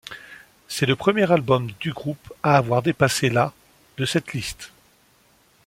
C'est le premier album du groupe à avoir dépassé la de cette liste.